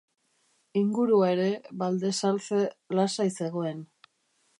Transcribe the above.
Ingurua ere, Valdesalce, lasai zegoen.